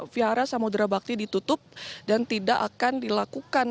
vihara samudera bakti ditutup dan tidak akan dilakukan